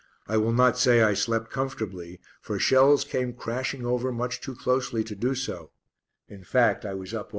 I will not say I slept comfortably, for shells came crashing over much too closely to do so; in fact, I was up all night.